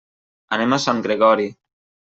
Anem a Sant Gregori.